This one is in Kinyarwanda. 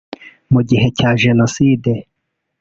mu gihe cya jenoside